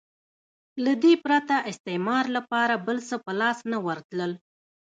له دې پرته استعمار لپاره بل څه په لاس نه ورتلل.